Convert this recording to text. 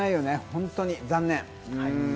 本当に残念。